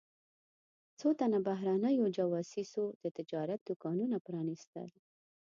څو تنو بهرنیو جواسیسو د تجارت دوکانونه پرانیستل.